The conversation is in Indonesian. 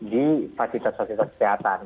di fasilitas fasilitas kesehatan